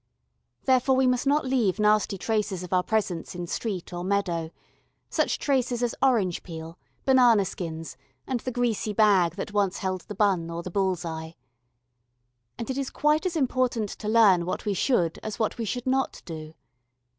Therefore, we must not leave nasty traces of our presence in street or meadow such traces as orange peel, banana skins, and the greasy bag that once held the bun or the bull's eye. And it is quite as important to learn what we should as what we should not do.